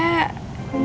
entah ampun ya